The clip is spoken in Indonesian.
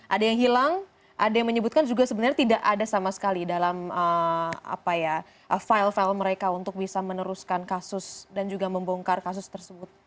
ada yang hilang ada yang menyebutkan juga sebenarnya tidak ada sama sekali dalam file file mereka untuk bisa meneruskan kasus dan juga membongkar kasus tersebut